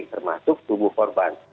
termasuk tubuh korban